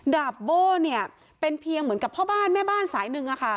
ดาบโบ้เนี่ยเป็นเพียงเหมือนกับพ่อบ้านแม่บ้านสายหนึ่ง